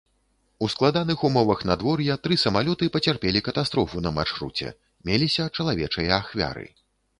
У складаных умовах надвор'я тры самалёты пацярпелі катастрофу на маршруце, меліся чалавечыя ахвяры.